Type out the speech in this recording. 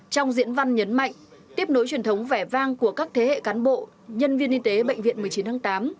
trong diễn văn nhấn mạnh tiếp nối truyền thống vẻ vang của các thế hệ cán bộ nhân viên y tế bệnh viện một mươi chín tháng tám